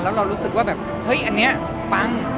แล้วเรารู้สึกว่าแบบเฮ้ยอันนี้ปัง